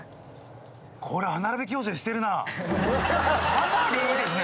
かなりいいですね。